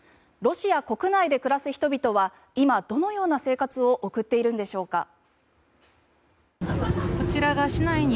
ロシア国内で暮らす人々は今、どのような生活を送っているんでしょうか。